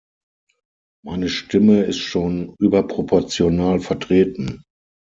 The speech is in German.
Meine Stimme ist schon überproportional vertreten.